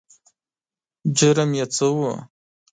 جرم یې څه و؟